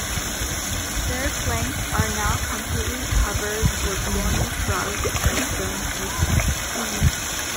Their flanks are now completely covered with thorny shrubs and stone pieces.